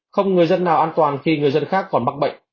không người dân nào an toàn khi người dân khác còn mắc bệnh